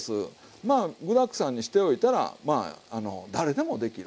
まあ具だくさんにしておいたら誰でもできる。